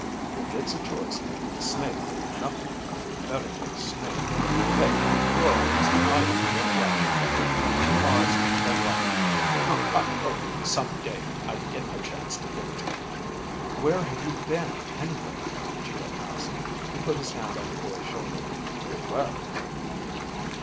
"If it's a choice between Snake and nothing, we better take Snake. Hey, Four Arms, I owe you a thrashing." He paused, then laughed. "I hope some day I get a chance to give it to you." "Where have you been, anyway?" Geo asked. He put his hand on the boy's shoulder. "You're wet."